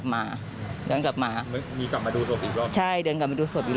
มีการฆ่ากันห้วย